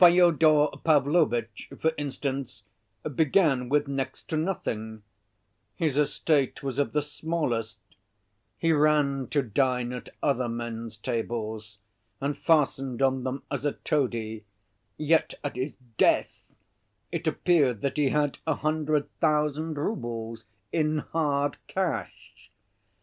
Fyodor Pavlovitch, for instance, began with next to nothing; his estate was of the smallest; he ran to dine at other men's tables, and fastened on them as a toady, yet at his death it appeared that he had a hundred thousand roubles in hard cash.